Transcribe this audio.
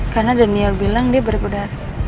karena daniel bilang dia berbeda